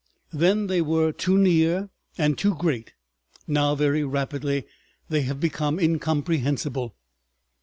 Then they were too near and too great; now, very rapidly, they have become incomprehensible.